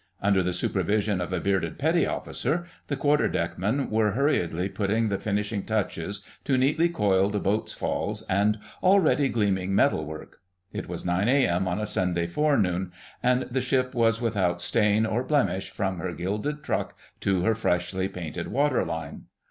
Under the supervision of a bearded Petty Officer the Quarter deck men were hurriedly putting the finishing touches to neatly coiled boats' falls and already gleaming metal work. It was 9 A.M. on a Sunday forenoon, and the ship was without stain or blemish from her gilded truck to her freshly painted water line.